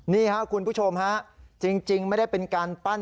นี่ครับคุณผู้ชมฮะจริงไม่ได้เป็นการปั้น